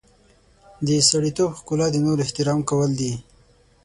د سړیتوب ښکلا د نورو احترام کول دي.